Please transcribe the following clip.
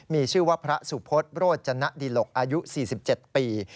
มีชื่อว่าพระสุพศโรจนะดิหลกอายุ๔๗ปี